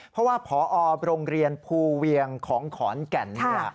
เพราะว่าพอโรงเรียนภูเวียงของขอนแก่น